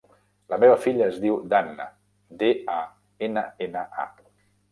La meva filla es diu Danna: de, a, ena, ena, a.